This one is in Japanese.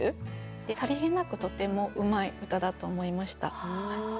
さりげなくとてもうまい歌だと思いました。